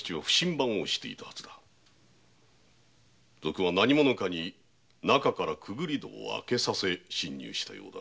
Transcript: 賊は何者かに中から潜り戸を開けさせ侵入したようだが。